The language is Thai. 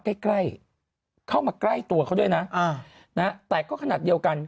ใกล้ใกล้เข้ามาใกล้ตัวเขาด้วยนะอ่านะฮะแต่ก็ขนาดเดียวกัน